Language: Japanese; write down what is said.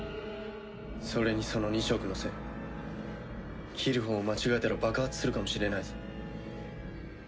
それにその２色の線切るほうを間違えたら爆発するかもしれないぞ。